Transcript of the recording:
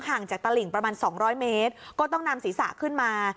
ห่างจากตระหลิงประมาณสองร้อยเมตรก็ต้องนำศรีษะขึ้นมา